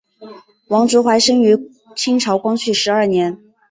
王竹怀生于清朝光绪十二年。